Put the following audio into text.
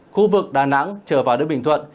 khu vực đà nẵng trở vào đến bình thuận